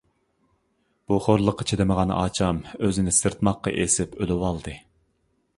بۇ خورلۇققا چىدىمىغان ئاچام ئۆزىنى سىرتماققا ئېسىپ ئۆلۈۋالدى.